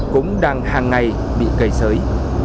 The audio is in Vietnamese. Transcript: cũng đang hàng ngày bị cây sới